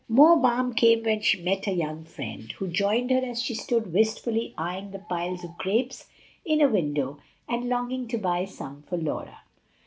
More balm came when she met a young friend, who joined her as she stood wistfully eying the piles of grapes in a window and longing to buy some for Laura.